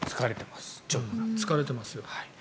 疲れてますよ。